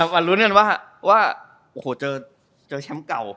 มาลุ้นกันว่าโอ้โหเจอแชมป์เก่า